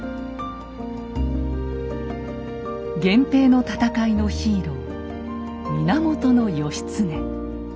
源平の戦いのヒーロー源義経。